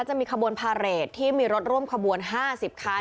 จะมีขบวนพาเรทที่มีรถร่วมขบวน๕๐คัน